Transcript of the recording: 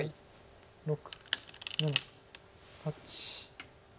６７８。